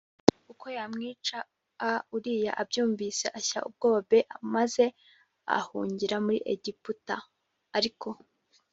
uko yamwica a uriya abyumvise ashya ubwoba b maze ahungira muri egiputa ariko